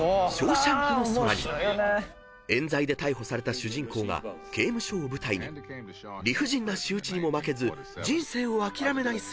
［冤罪で逮捕された主人公が刑務所を舞台に理不尽な仕打ちにも負けず人生を諦めない姿を描いた］